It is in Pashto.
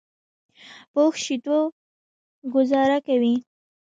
په اوښ شیدو ګوزاره کوي.